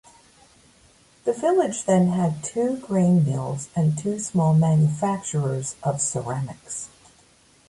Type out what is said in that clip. The village then had two grain mills and two small manufacturers of ceramics.